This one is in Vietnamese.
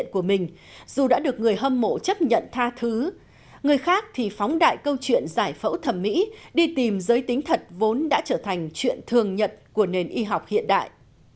nhưng khi trở thành nữ ca sĩ trẻ người hâm mộ chấp nhận ta thứ người khác thì phóng đại câu chuyện giải phẫu thẩm mỹ đi tìm giới tính thật vốn đã trở thành chuyện thường nhật của nền y học hiện đại